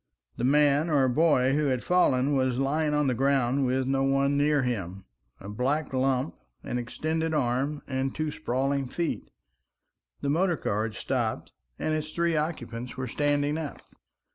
The man or boy who had fallen was lying on the ground with no one near him, a black lump, an extended arm and two sprawling feet. The motor car had stopped, and its three occupants were standing up.